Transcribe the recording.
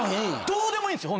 どうでもいいんです！